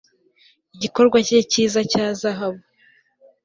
igikorwa cye cyiza cya zahabu